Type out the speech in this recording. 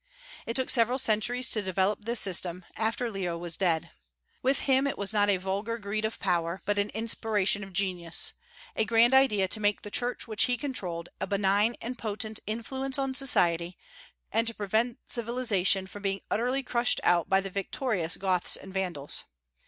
It took several centuries to develop this system, after Leo was dead. With him it was not a vulgar greed of power, but an inspiration of genius, a grand idea to make the Church which he controlled a benign and potent influence on society, and to prevent civilization from being utterly crushed out by the victorious Goths and Vandals.